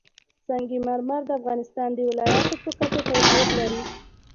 سنگ مرمر د افغانستان د ولایاتو په کچه توپیر لري.